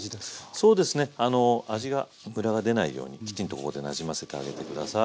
そうですね味がムラが出ないようにきちんとここでなじませてあげて下さい。